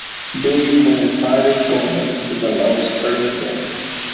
دوی کومې پايلې ته ونه رسېدل او ستړي شول.